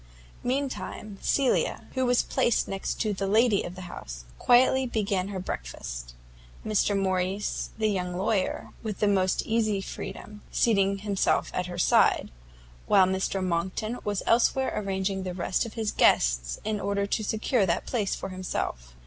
Meantime, Cecilia, who was placed next to the lady of the house, quietly began her breakfast; Mr Morrice, the young lawyer, with the most easy freedom, seating himself at her side, while Mr Monckton was elsewhere arranging the rest of his guests, in order to secure that place for himself.